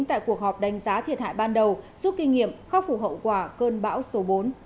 tại cuộc họp đánh giá thiệt hại ban đầu giúp kinh nghiệm khắc phục hậu quả cơn bão số bốn